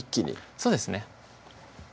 そうですね